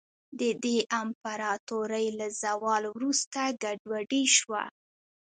د دې امپراتورۍ له زوال وروسته ګډوډي شوه.